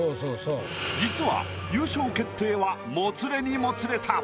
実は優勝決定はもつれにもつれた。